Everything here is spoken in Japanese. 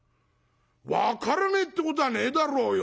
「分からねえってことはねえだろうよ。